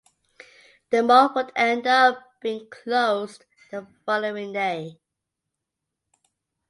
The mall would end up being closed the following day.